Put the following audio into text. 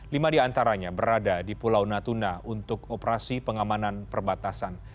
lima di antaranya berada di pulau natuna untuk operasi pengamanan perbatasan